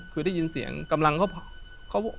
คือได้ยินเสียงกำลังเขา